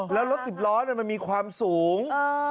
แล้วรถสิบล้อมันมีความสูง